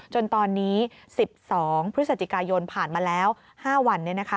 จนตอนนี้๑๒พฤศจิกายนผ่านมาแล้ว๕วัน